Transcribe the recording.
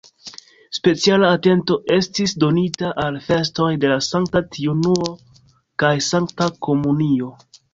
Speciala atento estis donita al festoj de la Sankta Triunuo kaj la Sankta Komunio.